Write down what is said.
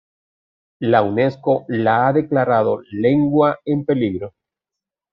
La Unesco la ha declarado lengua en peligro.